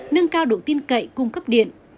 nâng cao độ tin cậy cung cấp điện